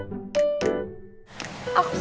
aku seneng kamu di sini